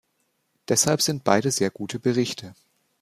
Deshalb sind beide sehr gute Berichte.